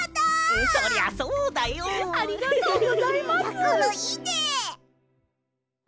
やころいいねえ！